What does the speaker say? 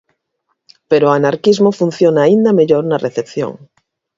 Pero o anarquismo funciona aínda mellor na recepción.